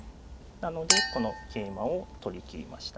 なのでこの桂馬を取りきりましたね。